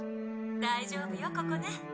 「大丈夫よここね」